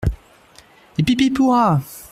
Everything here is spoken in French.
Hip ! hip ! hip ! hurrah !